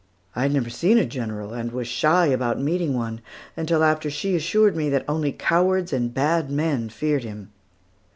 I had never seen a general, and was shy about meeting one, until after she assured me that only cowards and bad men feared him.